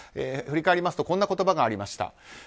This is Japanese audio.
振り返りますとこんな言葉がありました。